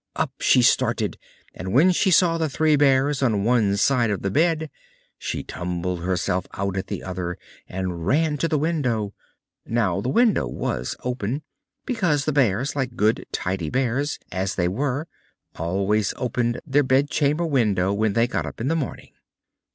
Up she started; and when she saw the Three Bears on one side of the bed she tumbled herself out at the other, and ran to the window. Now the window was open, because the Bears, like good, tidy Bears, as they were, always opened their bedchamber window when they got up in the morning.